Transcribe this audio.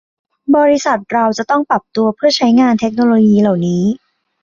บริษัทเราจะต้องปรับตัวเพื่อใช้งานเทคโนโลยีเหล่านี้